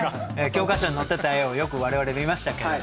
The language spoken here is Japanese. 教科書に載ってた絵をよく我々見ましたけれども。